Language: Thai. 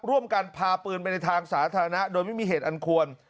ร่วมกันพาปืนไปในทางสาธารณะโดยไม่มีเหตุอันควร